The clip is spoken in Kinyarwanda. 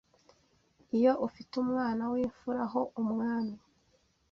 iyo ufite umwana w’imfura ho umwami